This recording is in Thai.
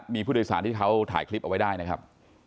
มีผู้โดยสารที่เขาถ่ายคลิปเอาไว้ได้นะครับ